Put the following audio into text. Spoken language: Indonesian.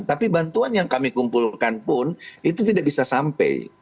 tapi bantuan yang kami kumpulkan pun itu tidak bisa sampai